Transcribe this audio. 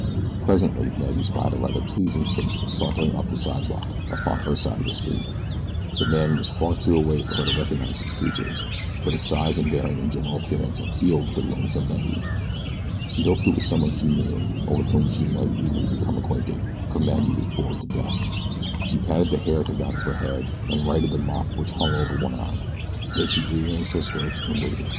Presently Maggie spied a rather pleasing figure sauntering up the sidewalk upon her side of the street. The man was too far away for her to recognize his features, but his size and bearing and general appearance appealed to the lonesome Maggie. She hoped it was someone she knew, or with whom she might easily become acquainted, for Maggie was bored to death. She patted the hair at the back of her head and righted the mop which hung over one eye. Then she rearranged her skirts and waited.